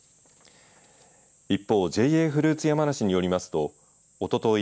一方、ＪＡフルーツ山梨によりますとおととい